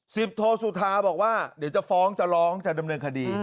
โทสุธาบอกว่าเดี๋ยวจะฟ้องจะร้องจะดำเนินคดี